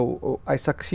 vâng được rồi